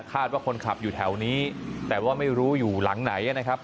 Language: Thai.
ว่าคนขับอยู่แถวนี้แต่ว่าไม่รู้อยู่หลังไหนนะครับ